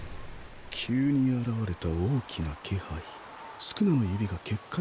急に現れた大きな気配。